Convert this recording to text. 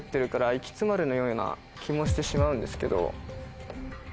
のような気もしてしまうんですけど。